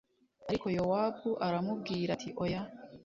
Ariko Yowabu aramubwira ati oya